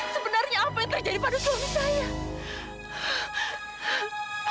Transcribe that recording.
sebenarnya apa yang terjadi pada suami saya